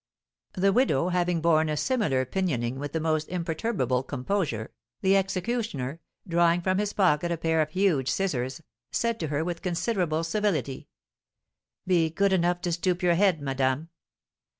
The widow having borne a similar pinioning with the most imperturbable composure, the executioner, drawing from his pocket a pair of huge scissors, said to her with considerable civility: "Be good enough to stoop your head, madame."